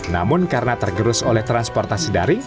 namun karena tergerus oleh transportasi daring